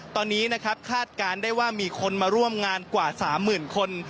ตอนนี้นะครับคาดการณ์ได้ว่ามีคนมาร่วมงานกว่า๓๐๐๐คน